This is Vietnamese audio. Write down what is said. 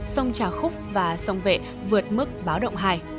sông trà khúc và sông vệ vượt mức báo động hai